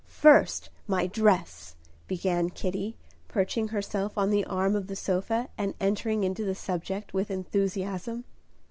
"First, my dress," began Kitty, perching herself on the arm of the sofa, and entering into the subject with enthusiasm.